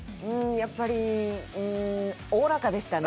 やっぱりうーん、おおらかでしたね。